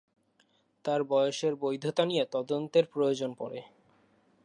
তার বয়সের বৈধতা নিয়ে তদন্তের প্রয়োজন পড়ে।